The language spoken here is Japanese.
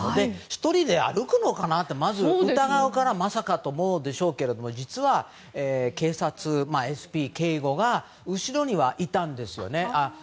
１人で歩くのかなとまず疑うからまさかと思うでしょうけど実は警察、ＳＰ警護が後ろにはいたんですよね。